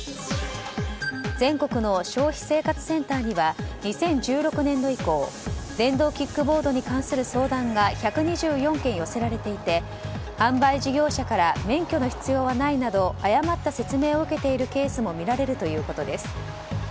全国の消費生活センターには２０１６年度以降電動キックボードに関する相談が１２４件寄せられていて販売事業者から免許の必要はないなど誤った説明を受けているケースもみられるということです。